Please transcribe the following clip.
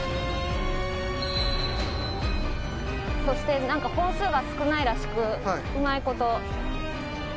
そしてなんか本数が少ないらしくうまいこと。